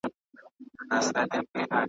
ښه مشران ملت قوي کوي.